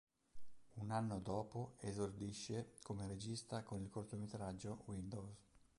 Un anno dopo esordisce come regista con il cortometraggio "Windows".